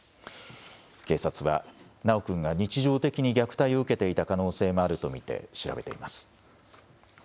警察は修君が日常的に虐待を受けていた可能性もあると見て調べています。